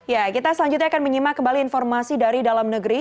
ya kita selanjutnya akan menyimak kembali informasi dari dalam negeri